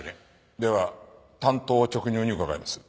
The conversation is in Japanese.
では単刀直入に伺います。